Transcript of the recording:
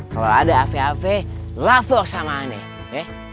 kalau ada apa apa laporkan sama saya